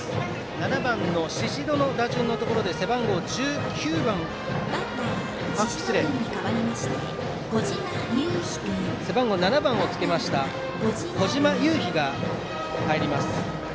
７番の宍戸の打順のところで背番号７番をつけました小島雄飛が入ります。